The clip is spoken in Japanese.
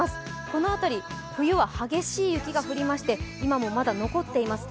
この辺り、冬は激しい雪が降りまして、今もまだ残っています